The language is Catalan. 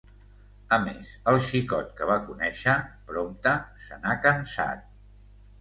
A més, el xicot que va conéixer... prompte se n’ha cansat!